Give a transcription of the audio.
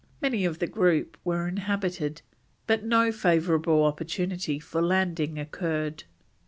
Many of the group were inhabited, but no favourable opportunity for landing occurred.